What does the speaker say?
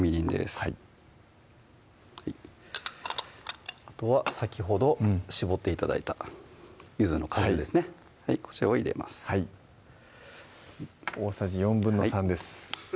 はいあとは先ほど搾って頂いた柚子の果汁ですねこちらを入れますはい大さじ３／４です